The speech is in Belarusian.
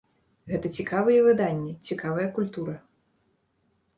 Гэта цікавыя выданні, цікавая культура.